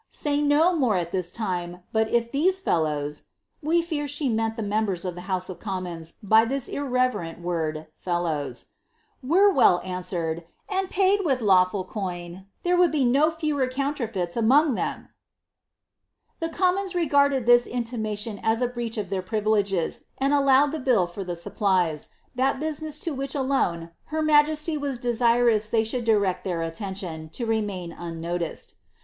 Say no more al ibis time, 1 if these fellows — (we fear she meant the membersof the House of Commons this irreverent word fiUoiet) — were well answered, and paid with lawful oo there would be nu fewer counlerfeila amonK them 1'' The eommona regarded ihia intimation as a breach of their privilep and allowed tbe bill for the supplies — that business to which alone I majesty was desirous they should direcl iheir attention, to remain i noiiced.